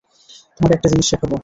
তোমাকে একটা জিনিস শেখাব।